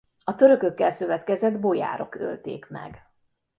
A törökökkel szövetkezett bojárok ölték meg.